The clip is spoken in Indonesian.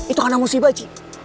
itu karena musibah ci